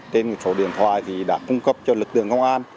tên của số điện thoại đã cung cấp cho lực lượng công an